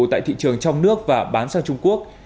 tại thị trường trong nước và bán sang trung quốc